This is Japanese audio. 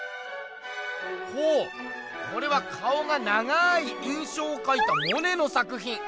ほうこれは顔が長い「印象」をかいたモネの作品。